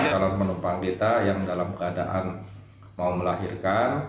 calon penumpang kita yang dalam keadaan mau melahirkan